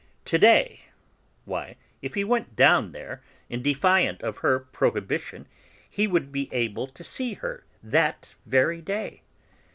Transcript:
To day! Why, if he went down there, in defiance of her prohibition, he would be able to see her that very day!